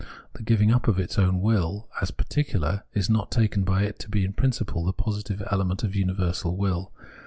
The giving up of its own will as particular is not taken by it to be in principle the positive element of universal will.